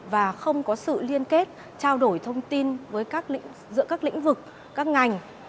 và không có sự liên kết trao đổi thông tin giữa các lĩnh vực các ngành